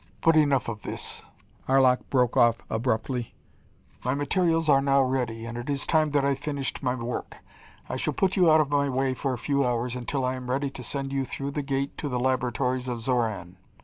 "But enough of this!" Arlok broke off abruptly. "My materials are now ready, and it is time that I finished my work. I shall put you out of my way for a few hours until I am ready to send you through the Gate to the laboratories of Xoran."